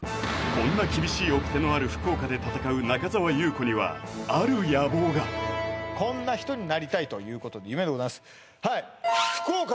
こんな厳しい掟のある福岡で戦う中澤裕子にはある野望が「こんな人になりたい」ということで夢でございます